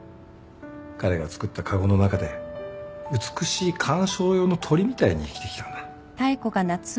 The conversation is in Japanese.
彼が作った籠の中で美しい観賞用の鳥みたいに生きてきたんだ。